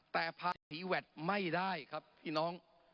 แต่ภาษีแวดไม่ได้ครับพี่น้อง